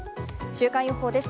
週間予報です。